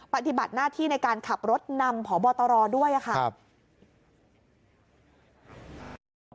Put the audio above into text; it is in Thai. ปฏิบัติหน้าที่ในการขับรถนำพบตรด้วยค่ะ